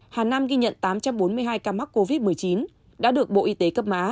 hà nam ghi nhận tám trăm bốn mươi hai ca mắc covid một mươi chín đã được bộ y tế cấp má